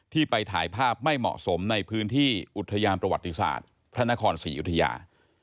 ที่ไปถ่ายภาพไม่เหมาะสมในพื้นที่อุทยานประวัติศาสตร์พระนครศรีอยุธยา